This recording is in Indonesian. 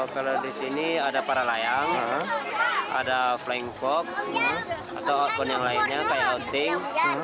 kalau disini ada para layang ada flying fox atau outbound yang lainnya kayak outing